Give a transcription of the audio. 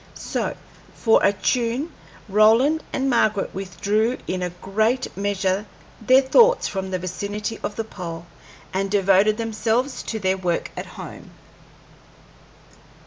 So, for a tune, Roland and Margaret withdrew in a great measure their thoughts from the vicinity of the pole, and devoted themselves to their work at home.